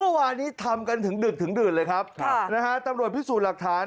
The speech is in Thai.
เมื่อวานี้ทำกันถึงดึดเลยครับตำรวจพิสูจน์หลักฐาน